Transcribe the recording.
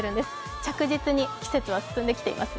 着実に季節は進んできていますね。